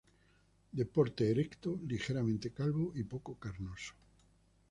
De porte erecto, ligeramente calvo, y poco carnoso.